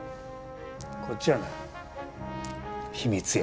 こっちはな秘密や。